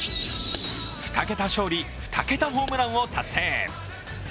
２桁勝利・２桁ホームランを達成。